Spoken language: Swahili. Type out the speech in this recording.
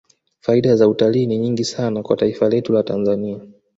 faida za utalii ni nyingi sana kwa taifa letu la tanzania